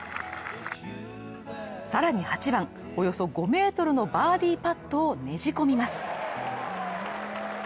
さらに８番およそ５ｍのバーディーパットをねじ込みます。